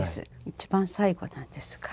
一番最後なんですが。